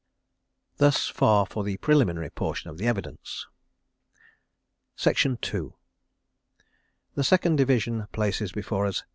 Thus far for the preliminary portion of the evidence. The second division places before us (II.)